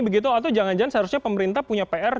begitu atau jangan jangan seharusnya pemerintah punya pr